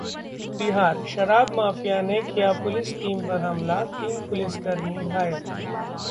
बिहार: शराब माफिया ने किया पुलिस टीम पर हमला, तीन पुलिसकर्मी घायल